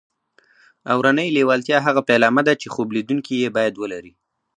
اورنۍ لېوالتیا هغه پیلامه ده چې خوب لیدونکي یې باید ولري